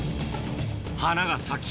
花が咲き